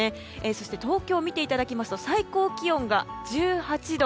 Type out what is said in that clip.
そして東京を見ていただきますと最高気温が１８度。